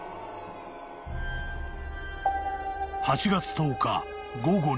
［８月１０日午後２時２０分］